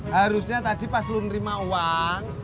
harusnya tadi pas lu nerima uang